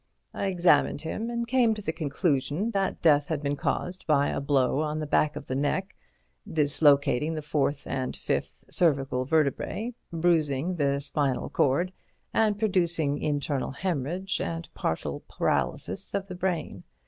I examined him, and came to the conclusion that death had been caused by a blow on the back of the neck, dislocating the fourth and fifth cervical vertebræ, bruising the spinal cord and producing internal hæmorrhage and partial paralysis of the brain.